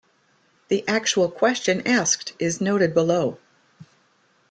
The actual question asked is noted below.